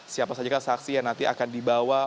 siapa saja saksi yang nanti akan dibawa